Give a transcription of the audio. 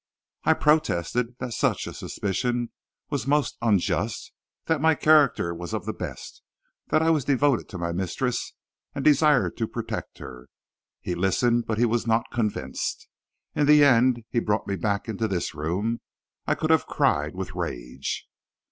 "I protested that such a suspicion was most unjust, that my character was of the best, that I was devoted to my mistress and desired to protect her. He listened, but he was not convinced. In the end, he brought me back into this room. I could have cried with rage!